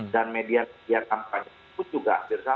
dan media media kampanye itu juga hampir sama